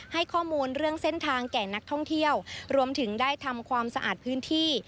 ให้ข้อมูลเรื่องเส้นทางแก่นักท่องเที่ยวรวมถึงได้ทำความสะอาดพื้นที่